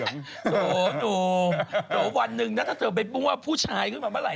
งานสบควรมีของผู้ชาย